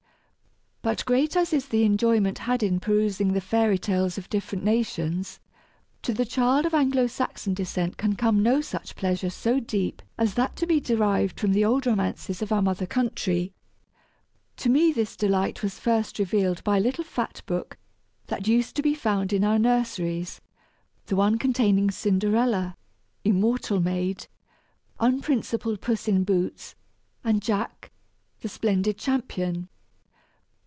But great as is the enjoyment had in perusing the fairy tales of different nations, to the child of Anglo Saxon descent can come no such pleasure so deep as that to be derived from the old romances of our mother country. To me this delight was first revealed by a little fat book that used to be found in our nurseries the one containing Cinderella, immortal maid unprincipled Puss in Boots and Jack, the splendid champion!